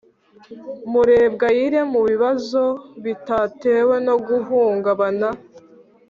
Murebwayire mubibazo bitatewe no guhungabana